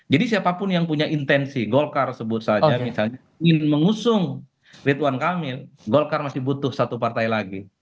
jadi siapapun yang punya intensi golkar sebut saja misalnya ingin mengusung ridwan kamil golkar masih butuh satu partai lagi